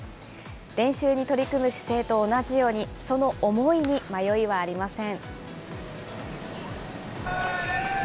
練習に取り組む姿勢と同じように、その思いに迷いはありません。